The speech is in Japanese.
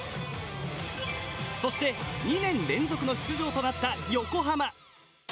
そして２年連続の出場となった横浜。